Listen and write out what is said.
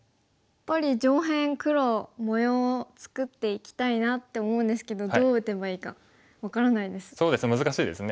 やっぱり上辺黒模様を作っていきたいなって思うんですけどどう打てばいいか分からないです。